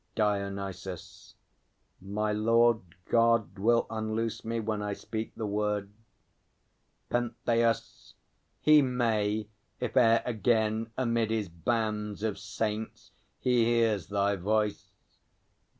DIONYSUS. My Lord God will unloose me, when I speak the word. PENTHEUS. He may, if e'er again amid his bands Of saints he hears thy voice!